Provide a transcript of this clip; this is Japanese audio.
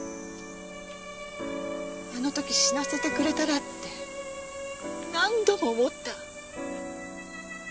あの時死なせてくれたらって何度も思った。